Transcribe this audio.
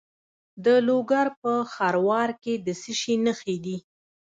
د لوګر په خروار کې د څه شي نښې دي؟